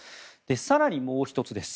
更に、もう１つです。